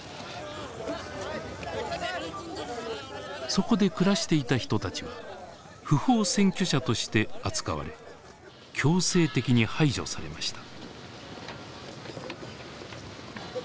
そこで暮らしていた人たちは不法占拠者として扱われ強制的に排除されました。